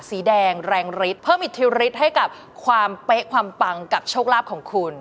สีแดงแรงฤทธิ์เพิ่มอิทธิฤทธิ์ให้กับความเป๊ะความปังกับโชคลาภของคุณ